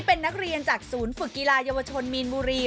เป็นนักเรียนจากศูนย์ฝึกกีฬาเยาวชนมีนบุรี